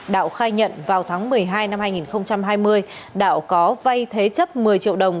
đạo khai nhận vào tháng một mươi hai năm hai nghìn hai mươi đạo có vay thế chấp một mươi triệu đồng